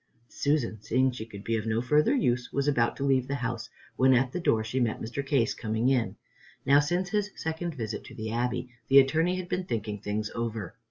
Susan, seeing she could be of no further use, was about to leave the house, when at the door she met Mr. Case coming in. Now, since his second visit to the Abbey, the Attorney had been thinking things over.